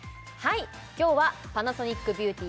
今日はパナソニックビューティ